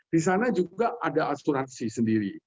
di sana juga ada asuransi sendiri